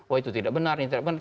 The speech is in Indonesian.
oh itu tidak benar tidak benar